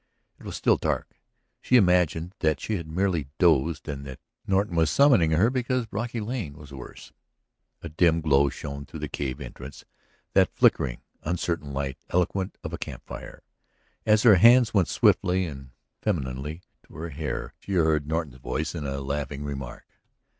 It was still dark. She imagined that she had merely dozed and that Norton was summoning her because Brocky Lane was worse. A dim glow shone through the cave entrance, that flickering, uncertain light eloquent of a camp fire. As her hands went swiftly and femininely to her hair, she heard Norton's voice in a laughing remark.